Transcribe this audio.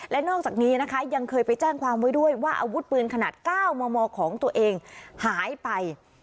และนอกจากนี้นะคะยังเคยไปแจ้งความไว้ด้วยว่าอาวุธปืนขนาด๙มมของตัวเองหายไป